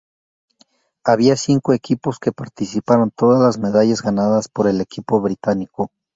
Había cinco equipos que participaron, todas las medallas ganadas por el equipo británico.